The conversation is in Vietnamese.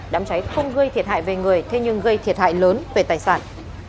đám cháy không gây thiệt hại về người thế nhưng gây thiệt hại lớn về tài sản